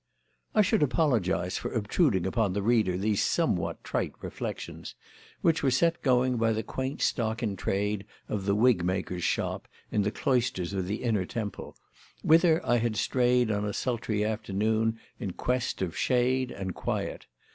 I should apologise for obtruding upon the reader these somewhat trite reflections; which were set going by the quaint stock in trade of the wig maker's shop in the cloisters of the Inner Temple, whither I had strayed on a sultry afternoon in quest of shade and quiet.